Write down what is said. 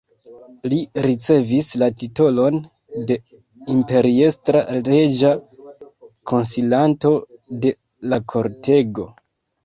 Li ricevis la titolon de imperiestra-reĝa konsilanto de la kortego.